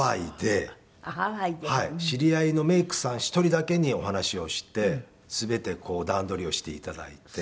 知り合いのメイクさん１人だけにお話をして全て段取りをして頂いて。